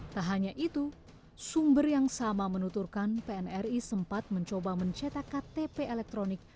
tak hanya itu sumber yang sama menuturkan pnri sempat mencoba mencetak ktp elektronik